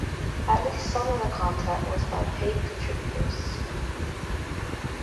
At least some of the content was by paid contributors.